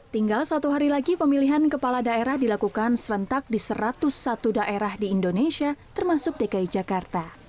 tinggal satu hari lagi pemilihan kepala daerah dilakukan serentak di satu ratus satu daerah di indonesia termasuk dki jakarta